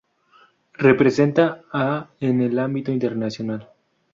Representa a en el ámbito internacional.